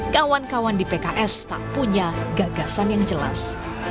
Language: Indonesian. kawan kawan di pks tak punya gagasan yang jelas